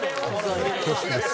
恐縮です。